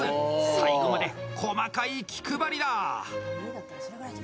最後まで細かい気配りだ！